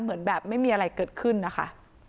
เหมือนแบบไม่มีอะไรเกิดขึ้นนะคะ